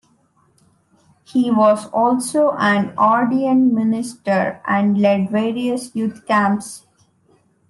He was also an ordained minister and led various youth camps.